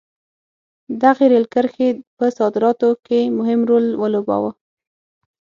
دغې رېل کرښې په صادراتو کې مهم رول ولوباوه.